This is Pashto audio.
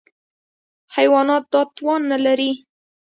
حیوانات دا توان نهلري.